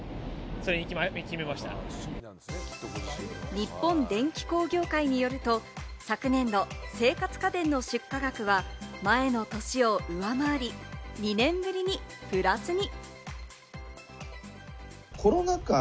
日本電機工業会によると、昨年の生活家電の出荷額は前の年を上回り、２年ぶりにプラスに。